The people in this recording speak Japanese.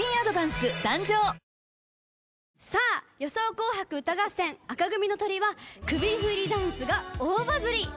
紅白歌合戦紅組のトリは首振りダンスが大バズり！